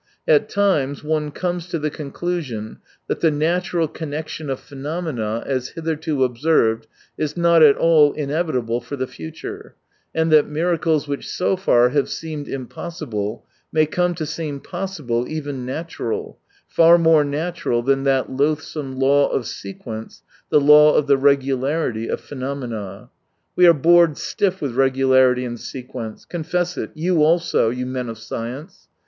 At times one comes to the conclusion that the natural connection of phenomena, as hitherto observed, is not at all inevitable for the future, and that miracles which so far have seemed impossible, may come to seem possible, even natural, far more natural than that loathsome law of sequence, the law of the regularity of phenomena. We are bored stiff with regu larity and sequence — confess it, you also, you men of science.